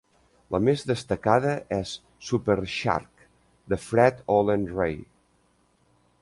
La més destacada és "Super Shark" de Fred Olen Ray.